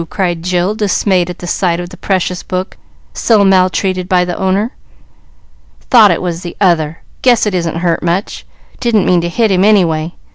cried Jill, dismayed at sight of the precious book so maltreated by the owner. "Thought it was the other. Guess it isn't hurt much. Didn't mean to hit him, any way.